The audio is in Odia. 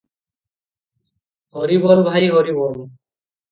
ହରିବୋଲ ଭାଇ ହରିବୋଲ ।